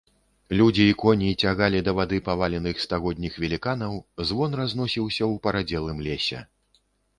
Людзі і коні цягалі да вады паваленых стагодніх веліканаў, звон разносіўся ў парадзелым лесе.